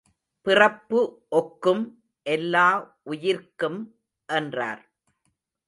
பிறப்பு ஒக்கும் எல்லா உயிர்க்கும் என்றார்.